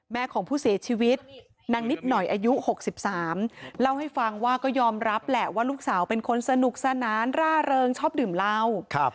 ของผู้เสียชีวิตนางนิดหน่อยอายุ๖๓เล่าให้ฟังว่าก็ยอมรับแหละว่าลูกสาวเป็นคนสนุกสนานร่าเริงชอบดื่มเหล้า